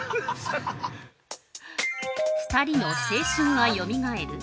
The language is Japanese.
◆２人の青春がよみがえる。